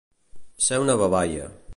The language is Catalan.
Ser un babaia.